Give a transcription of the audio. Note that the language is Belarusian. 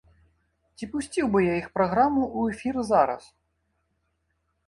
Ці пусціў бы я іх праграму ў эфір зараз?